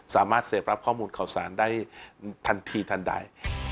สามารถเสพรับข้อมูลข่าวสารได้ทันทีทันใด